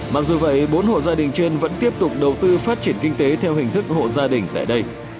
mặc dù vậy bốn hộ gia đình trên vẫn tiếp tục đầu tư phát triển kinh tế theo hình thức hộ gia đình tại đây